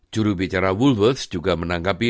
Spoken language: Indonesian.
jurubicara woolworths juga menanggapi